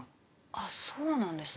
あっそうなんですね